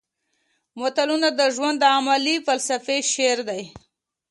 متلونه د ژوند د عملي فلسفې شعر دي